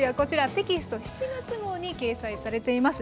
テキスト７月号に掲載されています。